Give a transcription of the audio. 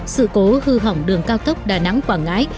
sự cố hư hỏng đường cao tốc đà nẵng quảng ngãi